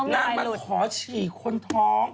นางมาขอฉี่คนท้อง